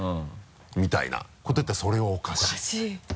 みたいなこと言ったら「それはおかしい」みたいな。